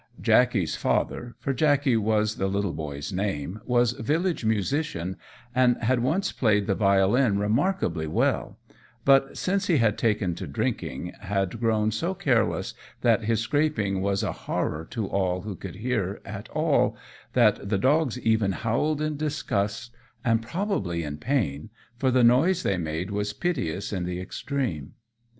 Jackey's father, for Jackey was the little boy's name, was village musician, and had once played the violin remarkably well, but since he had taken to drinking had grown so careless that his scraping was a horror to all who could hear at all, that the dogs even howled in disgust, and probably in pain, for the noise they made was piteous in the extreme.